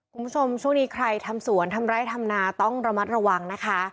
คุณผู้ชมช่วงนี้ใครทำสวนทำไร่ทำนาต้องระมัดระวังนะคะ